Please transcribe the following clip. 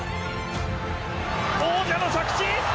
王者の着地！